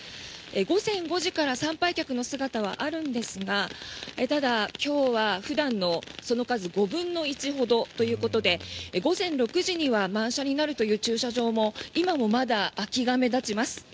午前５時から参拝客の姿はあるんですがただ、今日は普段のその数５分の１ほどということで午前６時には満車になるという駐車場も今はまだ空きが目立ちます。